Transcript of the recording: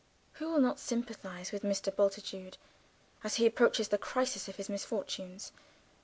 Who will not sympathise with Mr. Bultitude as he approaches the crisis of his misfortunes?